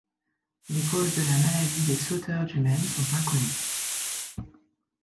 Les causes de la maladie des sauteurs du Maine sont inconnues.